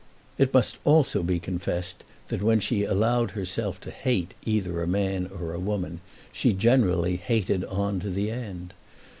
It must also be confessed that when she had allowed herself to hate either a man or a woman, she generally hated on to the end.